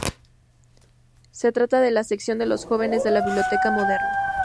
Se trata de la "Sección de los jóvenes" de la "Biblioteca moderna".